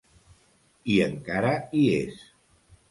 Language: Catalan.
I encara hi és...